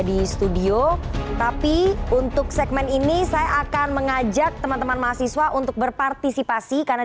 di studio tapi untuk segmen ini saya akan mengajak teman teman mahasiswa untuk berpartisipasi karena